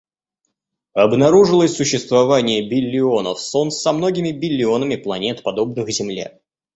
Обнаружилось существование биллионов солнц со многими биллионами планет, подобных Земле.